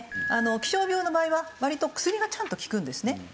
気象病の場合は割と薬がちゃんと効くんですね。